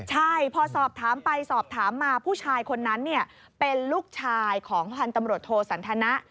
ใช่พอสอบถามไปสอบถามมาผู้ชายคนนั้นเป็นลูกชายของพันธ์ตำรวจโทสันทนะ